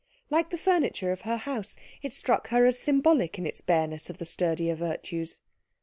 Like the furniture of her house, it struck her as symbolic in its bareness of the sturdier virtues.